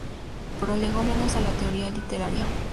Prolegómenos a la teoría literaria".